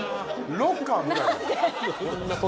ロッカーみたい。